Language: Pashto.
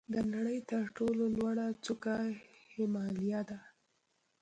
د نړۍ تر ټولو لوړه څوکه هیمالیا ده.